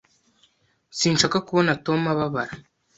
Sinshaka kubona Tom ababara.